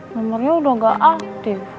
nomernya udah gak aktif